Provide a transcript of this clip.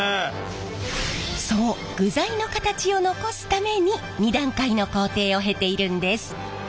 そう具材の形を残すために２段階の工程を経ているんです。